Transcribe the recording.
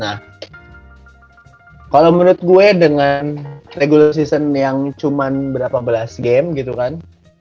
nah akhir akhir itu tuh mereka udah berudah harus ketinggalan juga kan ke perjalanan membutuhkan